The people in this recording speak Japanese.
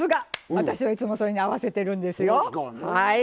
私、いつもそれに合わせてるんですよ。